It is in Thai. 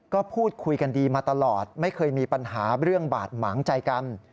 ก็พูดคุยกันดีมาตลอดไม่เคยมีปัญหาเรื่องบาดหมางใจกัน